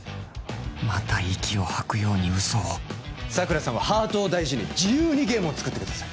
また息を吐くように嘘を桜さんはハートを大事に自由にゲームを作ってください